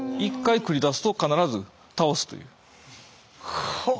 はあ。